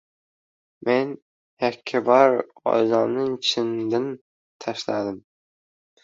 Men yakkabarg g‘o‘zamni chimdim tashladim.